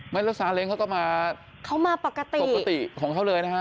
ไม่แล้วซาเล้งเขาต้องมาปกติของเขาเลยนะคะ